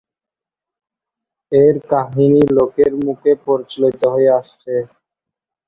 এর কাহিনী লোকের মুখে প্রচলিত হয়ে আসছে।